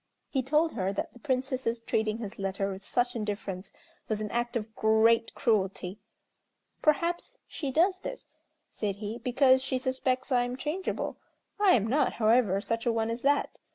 He told her that the Princess's treating his letter with such indifference was an act of great cruelty. "Perhaps she does this," said he, "because she suspects I am changeable. I am not, however, such a one as that.